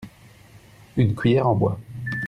une cuillère en bois.